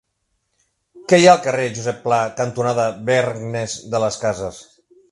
Què hi ha al carrer Josep Pla cantonada Bergnes de las Casas?